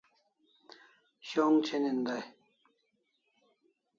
Sh'ong chinin dai